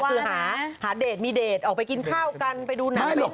คือหาเดชมีเดชออกไปกินข้าวกันไปดูหนัง